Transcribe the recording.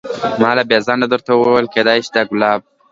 ما بې له ځنډه درته وویل کېدای شي دا ګلاب.